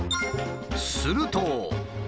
すると。